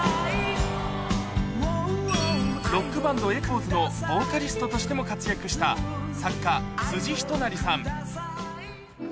ロックバンド、エコーズのボーカリストとしても活躍した作家、辻仁成さん。